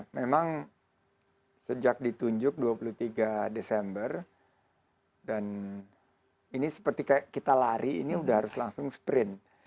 memang sejak ditunjuk dua puluh tiga desember dan ini seperti kita lari ini sudah harus langsung sprint